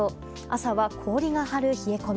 朝は氷が張る冷え込み。